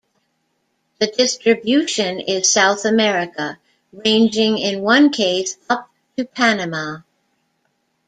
The distribution is South America, ranging in one case up to Panama.